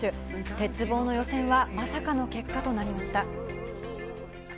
鉄棒の予選はまさかの結果となりました。